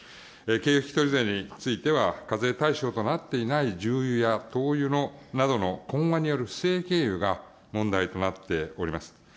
軽油引取税については、課税対象となっていない重油や灯油などの混和による不正軽油が問題となっております。